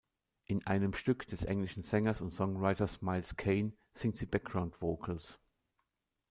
In einem Stück des englischen Sängers und Songwriters Miles Kane singt sie Background-Vocals.